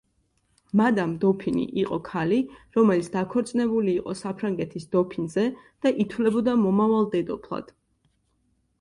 მადამ დოფინი იყო ქალი, რომელიც დაქორწინებული იყო საფრანგეთის დოფინზე და ითვლებოდა მომავალ დედოფლად.